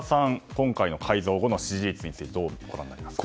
今回の改造後の支持率はどうご覧になりますか？